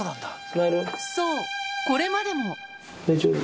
そうこれまでも大丈夫？